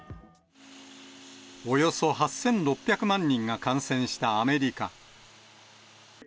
およそ８６００万人が感染したアメリカ。